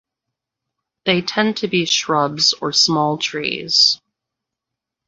They tend to be shrubs or small trees.